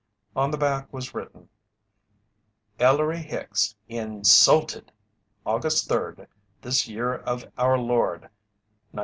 On the back was written: Ellery Hicks INSULTED August 3rd, this year of our Lord, 1920.